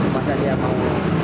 masa dia mau